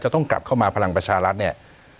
ต้องกลับเข้ามาพลังประชารัฐเนี่ย